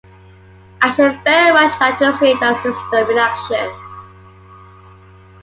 I should very much like to see that system in action.